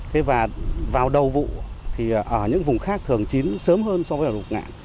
thế và vào đầu vụ thì ở những vùng khác thường chín sớm hơn so với ở lục ngạn